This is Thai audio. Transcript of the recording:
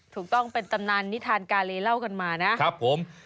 ถูกต้องเป็นตำนานนิทานกาเลเล่ากันมานะครับผม